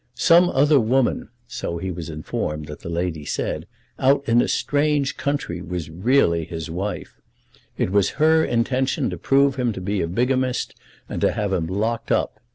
Some other woman, so he was informed that the lady said, out in a strange country was really his wife. It was her intention to prove him to be a bigamist, and to have him locked up.